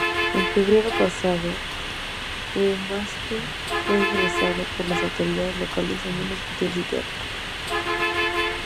En febrero pasado, Uematsu fue ingresado por las autoridades locales en un hospital psiquiátrico.